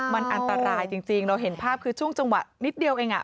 มันอันตรายจริงเราเห็นภาพคือช่วงจังหวะนิดเดียวเอง